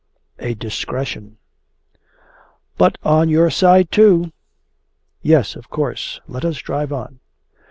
'A DISCRETION!' 'But on your side too!' 'Yes, of course. Let us drive on.